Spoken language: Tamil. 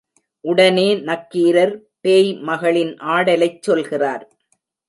உடனே, நக்கீரர் பேய் மகளின் ஆடலைச் சொல்கிறார்.